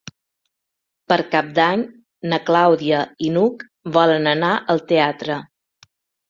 Per Cap d'Any na Clàudia i n'Hug volen anar al teatre.